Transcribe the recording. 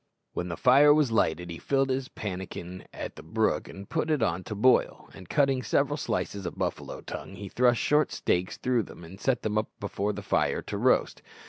When the fire was lighted he filled his pannikin at the brook and put it on to boil, and cutting several slices of buffalo tongue, he thrust short stakes through them and set them up before the fire to roast.